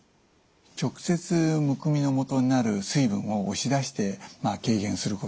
直接むくみのもとになる水分を押し出して軽減すること。